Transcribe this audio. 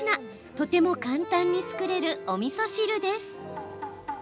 とても簡単に作れるおみそ汁です。